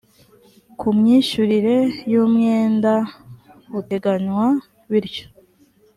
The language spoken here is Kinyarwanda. ku myishyurire y umwenda buteganywa bityo